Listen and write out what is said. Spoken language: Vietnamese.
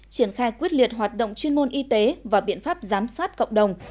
triển khai quyết liệt hoạt động chuyên môn y tế và biện pháp giám sát cộng đồng